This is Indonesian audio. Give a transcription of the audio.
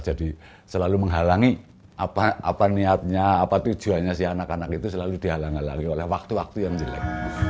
jadi selalu menghalangi apa niatnya apa tujuannya si anak anak itu selalu dihalang halangi oleh waktu waktu yang jelek